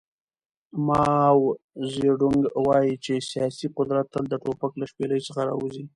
ماو زیډونګ وایي چې سیاسي قدرت تل د ټوپک له شپېلۍ څخه راوځي.